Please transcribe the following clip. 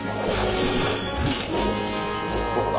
どこだ？